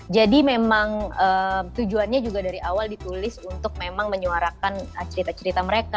jadi memang tujuannya juga dari awal ditulis untuk memang menyuarakan cerita cerita mereka